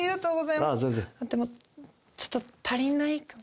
でもちょっと足りないかも。